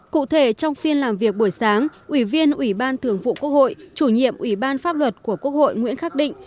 cụ thể trong phiên làm việc buổi sáng ủy viên ủy ban thường vụ quốc hội chủ nhiệm ủy ban pháp luật của quốc hội nguyễn khắc định